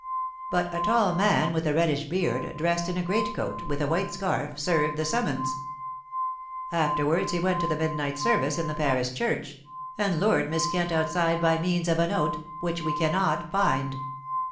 But a tall man, with a reddish beard, dressed in a great coat, with a white scarf, served the summons. Afterwards he went to the midnight service in the parish church, and lured Miss Kent outside by means of a note, which we cannot find.